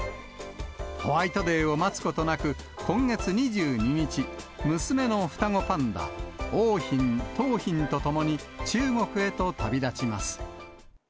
ホワイトデーを待つことなく、今月２２日、娘の双子パンダ、桜浜、桃浜と共に中国へと旅立ちます。